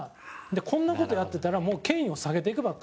こんな事やってたらもう権威を下げていくと。